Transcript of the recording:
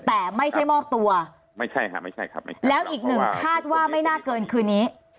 แต่ไม่ใช่มอบตัวไม่ใช่ครับแล้วอีกหนึ่งคาดว่าไม่น่าเกินคืนนี้